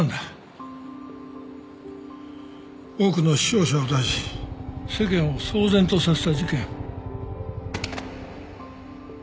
多くの死傷者を出し世間を騒然とさせた事件。